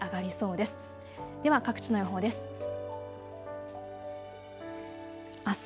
では各地の予報です。